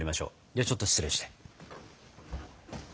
ではちょっと失礼して。